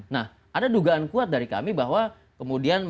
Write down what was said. nah ada dugaan kuat dari kami bahwa kemudian